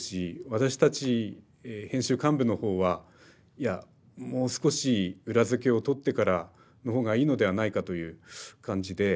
私たち編集幹部の方は「いやもう少し裏付けをとってからの方がいいのではないか」という感じで。